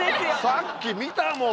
さっき見たもん！